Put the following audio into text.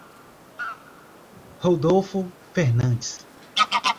Rodolfo Fernandes